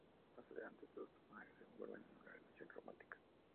Más adelante estos dos personajes se envuelven en una relación romántica.